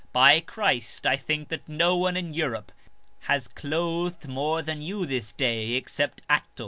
By Christ, I think that no one in Europe has clothed more than you this day except Atto."